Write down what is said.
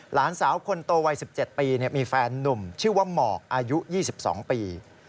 หลานสาวคนโตวัย๑๗ปีมีแฟนนุ่มชื่อว่าหมอกอายุ๒๒ปี